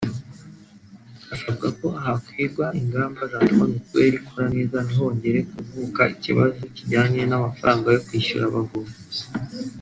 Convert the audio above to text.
hasabwa ko hakwigwa ingamba zatuma Mituweli ikora neza ntihongere kuvuka ikibazo kijyanye n’amafaranga yo kwishyura ubuvuzi